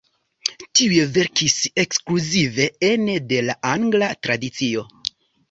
Tiuj verkis ekskluzive ene de la angla tradicio.